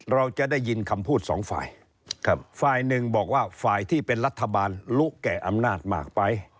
เราจะได้ยินคำพูดสองฝ่ายครับฝ่ายหนึ่งบอกว่าฝ่ายที่เป็นรัฐบาลรู้แก่อำนาจมากไป